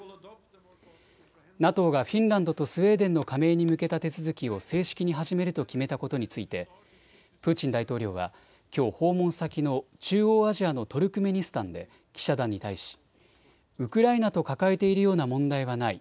ＮＡＴＯがフィンランドとスウェーデンの加盟に向けた手続きを正式に始めると決めたことについてプーチン大統領はきょう訪問先の中央アジアのトルクメニスタンで記者団に対しウクライナと抱えているような問題はない。